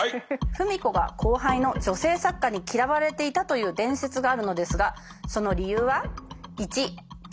芙美子が後輩の女性作家に嫌われていたという伝説があるのですがその理由は？